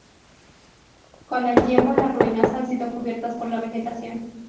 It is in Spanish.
Con el tiempo las ruinas han sido cubiertas por la vegetación.